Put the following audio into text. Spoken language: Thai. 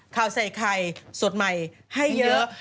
ข่าวใส่ไข่สดใหม่ให้เยอะ